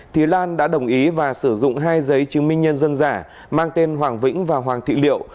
thì lan đã đồng ý và sử dụng hai giấy chứng minh nhân dân giả mang tên hoàng vĩnh và hoàng thị liệu